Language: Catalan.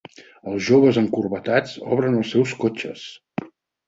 Els joves encorbatats obren els seus cotxes.